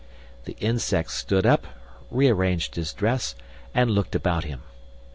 The Insect stood up, rearranged his dress, and looked about him.